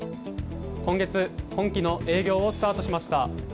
今月今期の営業をスタートしました。